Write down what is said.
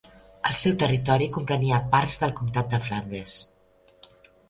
El seu territori comprenia parts del comtat de Flandes.